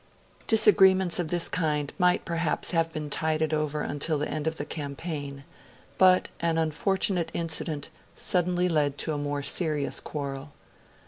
Disagreements of this kind might perhaps have been tided over until the end of the campaign; but an unfortunate incident suddenly led to a more serious quarrel.